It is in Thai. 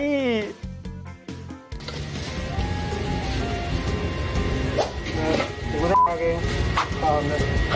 หนูหนูกูได้ขอเกง